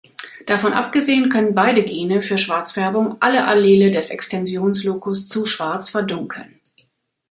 Davon abgesehen können beide Gene für Schwarzfärbung alle Allele des Extensionlocus zu schwarz verdunkeln.